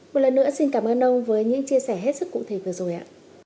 một lần nữa xin cảm ơn ông với những chia sẻ hết sức cụ thể vừa rồi ạ